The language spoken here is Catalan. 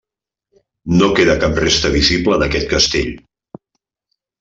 No queda cap resta visible d'aquest castell.